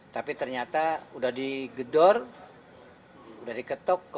tapi ternyata sudah digedor sudah diketuk